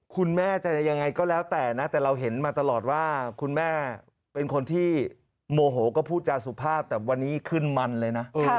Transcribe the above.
คุณแม่จะยังไงก็แล้วแต่นะแต่เราเห็นมาตลอดว่าคุณแม่เป็นคนที่โมโหก็พูดจาสุภาพแต่วันนี้ขึ้นมันเลยนะ